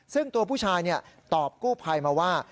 ซึ่งตัวผู้ชายตอบกู้ภัยมาว่า